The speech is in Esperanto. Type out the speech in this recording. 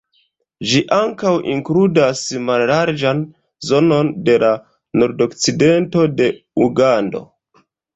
Ĝi ankaŭ inkludas mallarĝan zonon de la nordokcidento de Ugando.